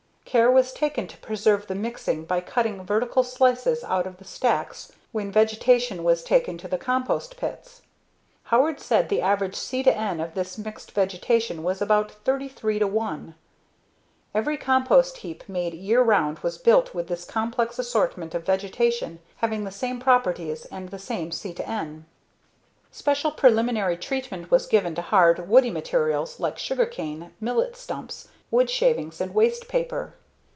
Care was taken to preserve the mixing by cutting vertical slices out of the stacks when vegetation was taken to the compost pits. Howard said the average C/N of this mixed vegetation was about 33:1. Every compost heap made year round was built with this complex assortment of vegetation having the same properties and the same C/N. Special preliminary treatment was given to hard, woody materials like sugarcane, millet stumps, wood shavings and waste paper.